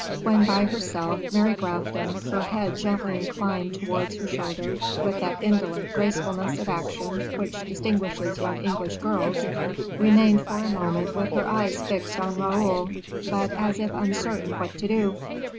When by herself, Mary Grafton, her head gently inclined towards her shoulder, with that indolent gracefulness of action which distinguishes young English girls, remained for a moment with her eyes fixed on Raoul, but as if uncertain what to do.